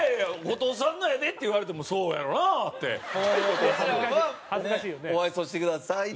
「後藤さんのやで」って言われても「そうやろうな」って。俺らはもう「お愛想してください」って。